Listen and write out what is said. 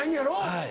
はい。